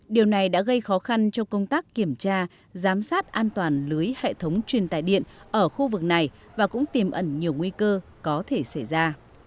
điều này đã gây khó khăn cho công tác kiểm tra giám sát an toàn lưới hệ thống truyền tài điện ở khu vực này và cũng tìm ẩn nhiều nguy cơ có thể xảy ra